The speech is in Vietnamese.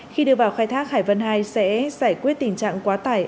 khi đưa vào khai thác hải văn ii sẽ giải quyết tình trạng quá tải